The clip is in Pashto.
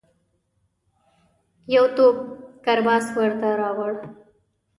یو توپ کرباس ورته راووړ.